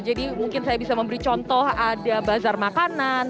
jadi mungkin saya bisa memberi contoh ada bazar makanan